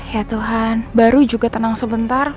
ya tuhan baru juga tenang sebentar